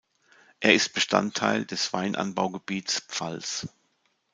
Er ist Bestandteil des Weinanbaugebiets Pfalz.